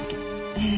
ええ。